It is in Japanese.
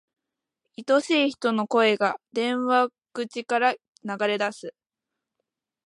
愛しい人の声が、電話口から流れ出す。